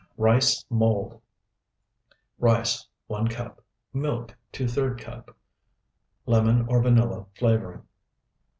RICE MOLD Rice, 1 cup. Milk, ⅔ cup. Lemon or vanilla flavoring.